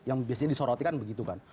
yang biasanya disorotikan begitu kan